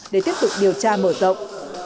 để tiếp tục điều tra mở rộng